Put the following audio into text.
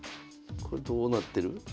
これどうなってる？